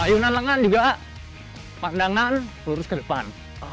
ayunan lengan juga pandangan lurus ke depan